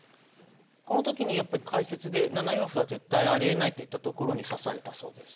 このときにやっぱり解説で７四歩は絶対ありえないと言ったところに指されたそうです。